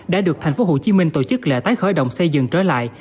đã được thành phố hồ chí minh tổ chức lệ tái khởi động xây dựng trở lại